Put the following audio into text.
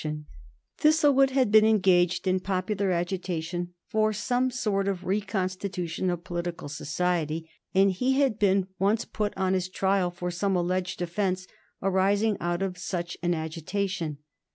[Sidenote: 1820 Origin of the conspiracy] Thistlewood had been engaged in popular agitation for some sort of reconstitution of political society, and he had been once put on his trial for some alleged offence arising out of such an agitation.